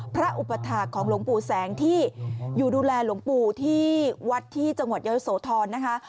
พระอุปถาของลงปู่แสงที่อยู่ดูแลลงปู่ที่วัดที่จังหวัดยายสวทรนะคะ